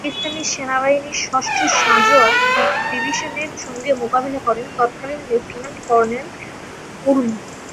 পাকিস্তান সেনাবাহিনীর ষষ্ঠ সাঁজোয়া ডিভিশনের সঙ্গে মোকাবেলা করেন তৎকালীন লেফটেন্যান্ট কর্নেল অরুন।